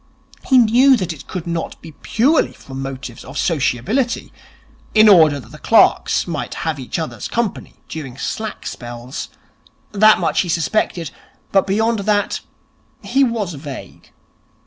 He knew that it could not be purely from motives of sociability, in order that the clerks might have each other's company during slack spells. That much he suspected, but beyond that he was vague.